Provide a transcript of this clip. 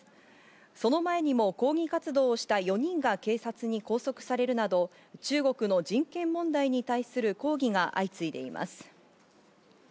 その前にも抗議活動をした４人が警察に拘束されるなど、中国の人権問題に対する抗議が相次いでいます。